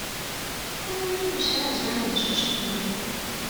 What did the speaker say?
فکر کنم تو بیشتر از رنگش خوشت اومده